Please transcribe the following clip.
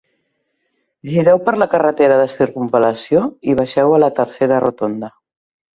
Gireu per la carretera de circumval·lació i baixeu a la tercera rotonda